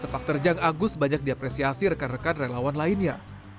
sepak terjang agus banyak diapresiasi rekan rekan relawan lainnya